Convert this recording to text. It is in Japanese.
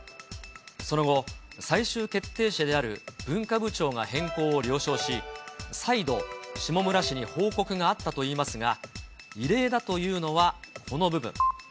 その後、最終決定者である文化部長が変更を了承し、再度、下村氏に報告があったといいますが、異例だというのは、この部分。